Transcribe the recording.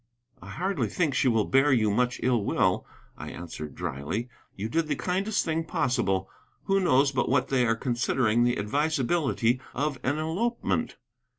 "I hardly think she will bear you much ill will," I answered dryly; "you did the kindest thing possible. Who knows but what they are considering the advisability of an elopement!"